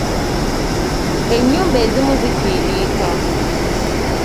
Ennyumba ezimu zitiiriika.